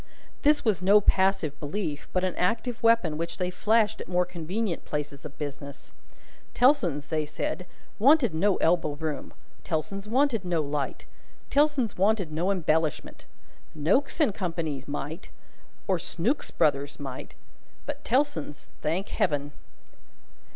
This was no passive belief, but an active weapon which they flashed at more convenient places of business. Tellson's (they said) wanted no elbow room, Tellson's wanted no light, Tellson's wanted no embellishment. Noakes and Co.'s might, or Snooks Brothers' might; but Tellson's, thank Heaven